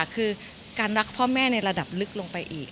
คือการรักพ่อแม่ในระดับลึกลงไปอีก